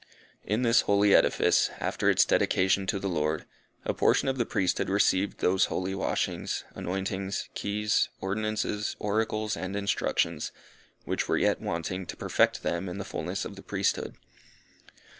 In this holy edifice, after its dedication to the Lord, a portion of the Priesthood received those holy washings, anointings, keys, ordinances, oracles and instructions, which were yet wanting to perfect them in the fulness of the Priesthood.